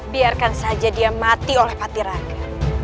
biarkan saja dia mati oleh patiraga